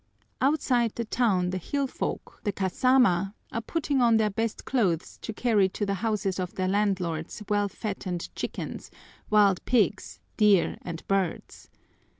Outside the town the hill folk, the kasamá, are putting on their best clothes to carry to the houses of their landlords well fattened chickens, wild pigs, deer, and birds.